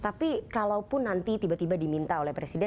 tapi kalaupun nanti tiba tiba diminta oleh presiden